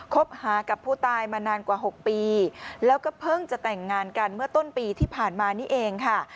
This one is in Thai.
คบหากับผู้ตายมานานกว่า๖ปีแล้วก็เพิ่งจะแต่งงานกันเมื่อต้นปีที่ผ่านมานี่เองค่ะ